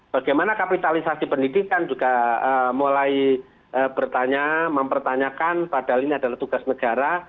bagaimana kapitalisasi pendidikan juga mulai bertanya mempertanyakan padahal ini adalah tugas negara